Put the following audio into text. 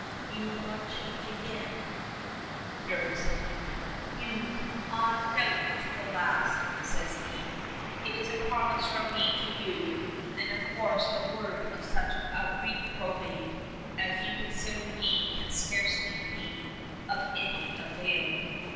"You will not change again " nervously. "You " "Ah! doubt to the last," says he. "It is a promise from me to you, and of course the word of such a reprobate as you consider me can scarcely be of any avail."